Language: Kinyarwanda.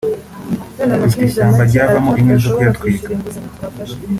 dufite ishyamba ryavamo inkwi zo kuyatwika